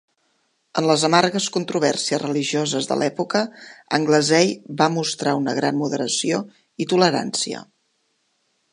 En les amargues controvèrsies religioses de l'època, Anglesey va mostrar una gran moderació i tolerància.